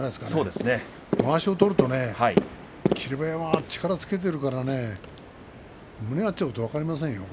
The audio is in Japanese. まわしを取ると霧馬山は力をつけているから胸が合っちゃうと分かりませんよ。